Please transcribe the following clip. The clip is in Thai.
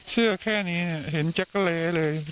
เสื้อแค่นี้เห็นแจ๊กกะเลเลย